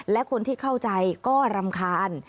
และคนที่เข้าใจก็รำคาญ